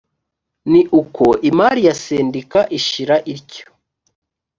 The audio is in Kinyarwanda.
ni uko imari ya sendika ishira ityo